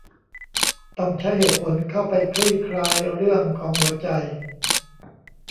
ต้องใช้เหตุผลเข้าไปคลี่คลายเรื่องของหัวใจ